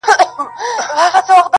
• زه به څرنګه د دوی په دام کي لوېږم -